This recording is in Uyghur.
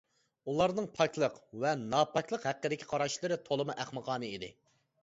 ئۇلارنىڭ پاكلىق ۋە ناپاكلىق ھەققىدىكى قاراشلىرى تولىمۇ ئەخمىقانە ئىدى.